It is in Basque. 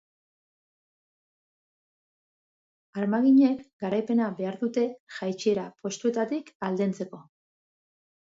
Armaginek garaipena behar dute jaitsiera postuetatik aldentzeko.